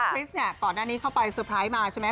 เพราะคริสนะก่อนอันนี้เข้าไปเซอร์ไพรส์มาใช่ไหม